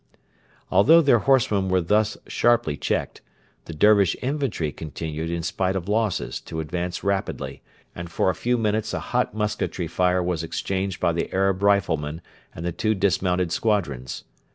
Although their horsemen were thus sharply checked, the Dervish infantry continued in spite of losses to advance rapidly, and for a few minutes a hot musketry fire was exchanged by the Arab riflemen and the two dismounted squadrons.